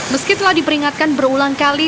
meski telah diperingatkan berulang kali